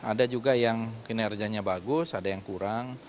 ada juga yang kinerjanya bagus ada yang kurang